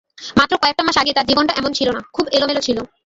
মাত্র কয়েকটা মাস আগে তাঁর জীবনটা এমন ছিল না, খুব এলোমেলো ছিল।